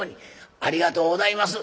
「ありがとうございます。